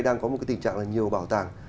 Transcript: đang có một tình trạng là nhiều bảo tàng